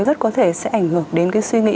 rất có thể sẽ ảnh hưởng đến cái suy nghĩ